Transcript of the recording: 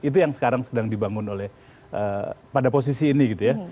itu yang sekarang sedang dibangun oleh pada posisi ini gitu ya